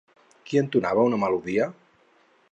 Qui entonava una melodia?